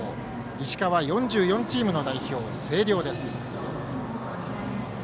石川４４チームの代表、星稜です。